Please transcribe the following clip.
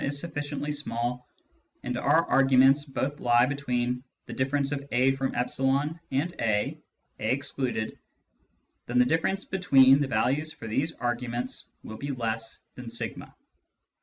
if e is sufficiently small, and our arguments both lie between a— e and a (« excluded), then the difference between the values for these arguments will be less than a.